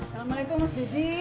waalaikumsalam mas judi